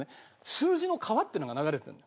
数字の川っていうのが流れてるの。